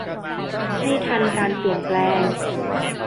ให้ทันการเปลี่ยนแปลง